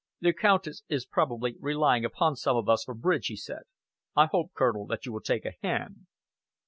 "The Countess is probably relying upon some of us for bridge," he said. "I hope, Colonel, that you will take a hand."